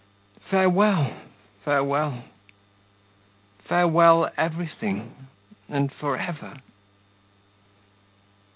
Farewell, farewell! Farewell, everything and for ever!